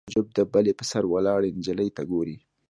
تعجب د بلۍ په سر ولاړې نجلۍ ته ګوري